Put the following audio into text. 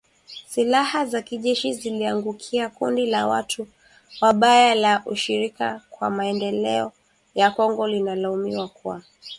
silaa za kijeshi ziliziangukia kundi la watu wabaya la Ushirika kwa Maendeleo ya Kongo linalaumiwa kwa mauaji ya kikabila katika jimbo la kaskazini-mashariki la Ituri.